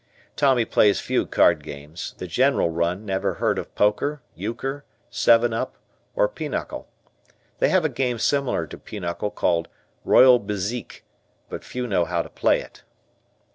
Tommy plays few card games; the general run never heard of poker, euchre, seven up, or pinochle. They have a game similar to pinochle called "Royal Bezique," but few know how to play it.